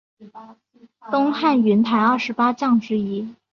东汉云台二十八将之一。